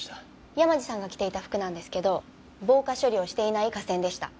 山路さんが着ていた服なんですけど防火処理をしていない化繊でした。